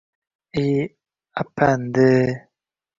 Eyyyy, apandi!